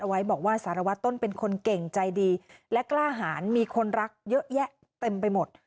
ไว้บอกว่าสารวัตรต้นเป็นคนเก่งใจดีและกล้าหารมีคนรักเยอะแยะเต็มไปหมด